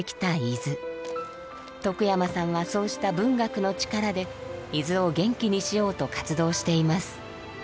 徳山さんはそうした文学の力で伊豆を元気にしようと活動しています。